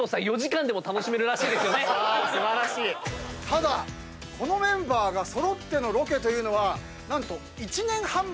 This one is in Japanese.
ただこのメンバーが揃ってのロケというのは何と１年半ぶりと。